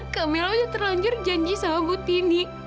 kaponil udah terlanjur janji sama butini